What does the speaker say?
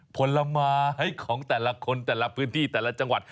ผลไม้ของแต่ละคนแต่ละพื้นที่แต่ละจังหวัด